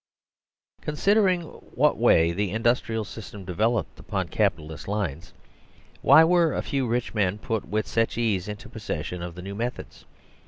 Considerin what way the Industrial System develop ed upon Capitalist lines. Why were a few rich men put with such ease into possession of the new methods?